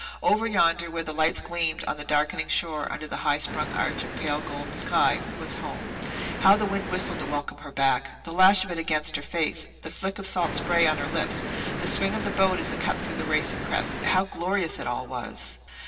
Over yonder, where the lights gleamed on the darkening shore under the high sprung arch of pale golden sky, was home. How the wind whistled to welcome her back! The lash of it against her face the flick of salt spray on her lips the swing of the boat as it cut through the racing crests how glorious it all was!